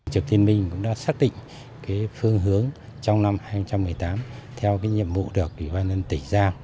trực tiên mình cũng đã xác định phương hướng trong năm hai nghìn một mươi tám theo nhiệm vụ được kỳ quan nhân tỉnh ra